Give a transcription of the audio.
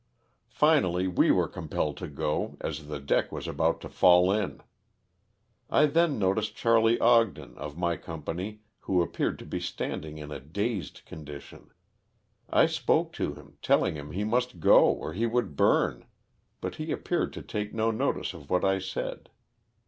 Finally we were compelled to go as the deck was about to fall in. I then noticed Charley Ogden, of my company, who appeared to be standing in a dazed condition. I spoke to hiai, telling him he must go or he would burn, but he appeared to take no notice of what I said.